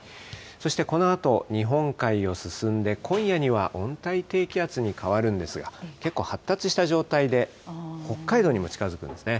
そしてこのあと日本海を進んで、今夜には温帯低気圧に変わるんですが、結構発達した状態で、北海道にも近づくんですね。